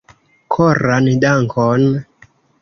Koran dankon!